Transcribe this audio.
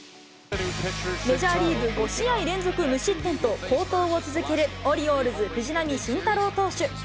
メジャーリーグ５試合連続無失点と、好投を続けるオリオールズ、藤浪晋太郎投手。